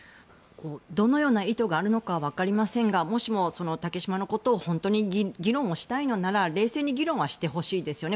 どのような意図があるのかはわかりませんがもしも、竹島のことを本当に議論をしたいのなら冷静に議論はしてほしいですよね。